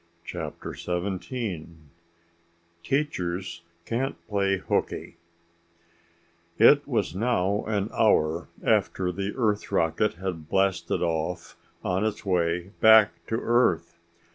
CHAPTER SEVENTEEN Teachers Can't Play Hookey It was now an hour after the Earth rocket had blasted off on its way back to Earth.